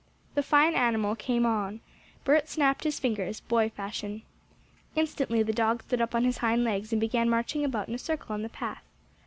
The fine animal came on. Bert snapped his fingers, boy fashion. Instantly the dog stood up on his hind legs and began marching about in a circle on the path.